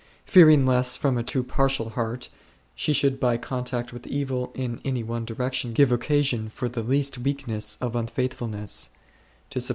Fearing lest, from a too partial heart, she should by contact with evil in any one direction give occasion for the least weakness of unfaithfulness (to suppose 5 S.